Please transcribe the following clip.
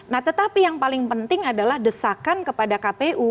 nah tetapi yang paling penting adalah desakan kepada kpu